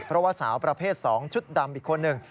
เพราะว่าสาวประเภท๒ชุดดำอีกคนหนึ่ง